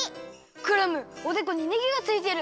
クラムおでこにねぎがついてる。